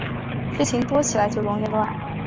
事情多起来就容易乱